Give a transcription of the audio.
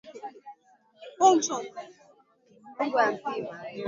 kawaida katika kusoma suala hili Ukweli muhimu ni